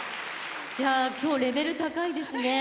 今日、レベル高いですね。